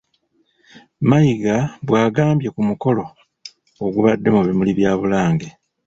Mayiga bwagambye ku mukolo ogubadde mu bimuli bya Bulange.